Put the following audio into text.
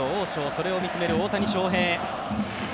それを見つめる大谷翔平。